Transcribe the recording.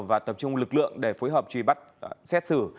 và tập trung lực lượng để phối hợp truy bắt xét xử